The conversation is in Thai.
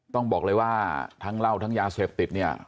ต้องบอกเลยว่าทั้งเหล้าทั้งยาเสพติดเนี่ย